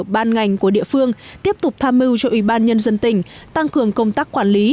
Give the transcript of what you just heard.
ban ngành của địa phương tiếp tục tham mưu cho ủy ban nhân dân tỉnh tăng cường công tác quản lý